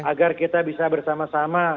agar kita bisa bersama sama